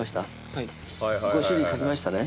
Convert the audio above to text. はい５種類書きましたね？